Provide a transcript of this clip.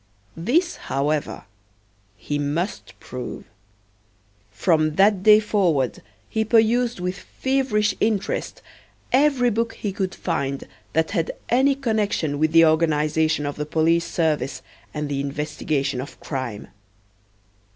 This, however, he must prove. From that day forward he perused with feverish interest every book he could find that had any connection with the organization of the police service and the investigation of crime.